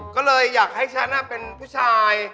ก็เลยอยากให้ฉันเป็นผู้ชาย